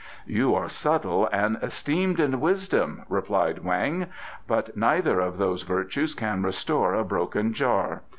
"You are subtle and esteemed in wisdom," replied Weng, "but neither of those virtues can restore a broken jar.